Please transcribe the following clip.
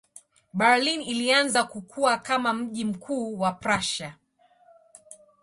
Berlin ilianza kukua kama mji mkuu wa Prussia.